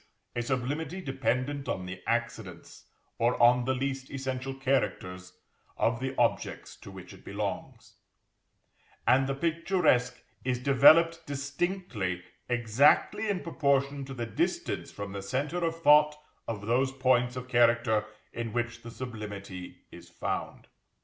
_, a sublimity dependent on the accidents, or on the least essential characters, of the objects to which it belongs; and the picturesque is _developed distinctively exactly in proportion to the distance from the centre of thought of those points of character in which the sublimity is found_.